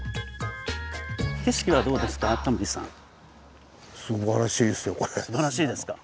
景色はどうですか？